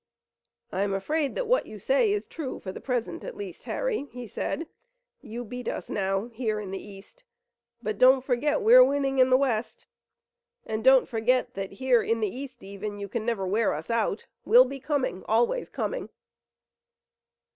"I'm afraid that what you say is true for the present at least, Harry," he said. "You beat us now here in the east, but don't forget that we're winning in the west. And don't forget that here in the east even, you can never wear us out. We'll be coming, always coming."